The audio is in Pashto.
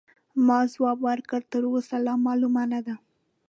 ما ځواب ورکړ: تراوسه لا معلومه نه ده.